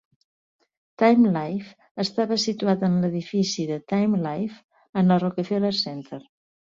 Time Life estava situat en l'edifici de Time Life en el Rockefeller Center.